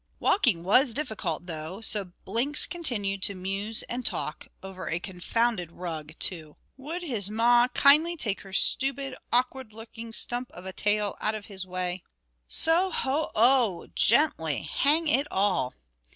"Walking was difficult, though," so Blinks continued to muse and talk, "over a confounded rug too. Would his ma kindly take her stupid, awkward looking stump of a tail out of his way? So ho oh! Gently! Hang it all!"